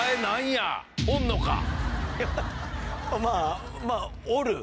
まあまあ。